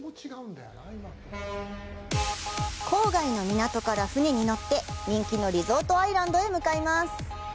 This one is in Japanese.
郊外の港から船に乗って人気のリゾートアイランドへ向かいます。